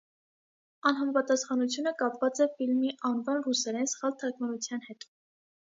Անհամապատասխանությունը կապված է ֆիլմի անվան ռուսերեն սխալ թարգմանության հետ։